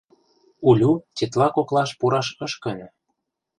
Улю тетла коклаш пураш ыш кӧнӧ.